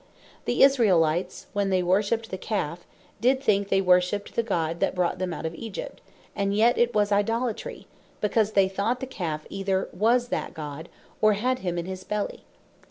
The Israelites, when they worshipped the Calfe, did think they worshipped the God that brought them out of Egypt; and yet it was Idolatry, because they thought the Calfe either was that God, or had him in his belly.